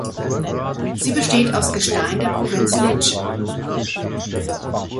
Sie besteht aus Gestein der Provinz Lecce.